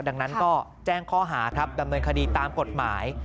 ดังนั้นก็แจ้งข้อหาครับดำเนินคดีตามกฎหมาย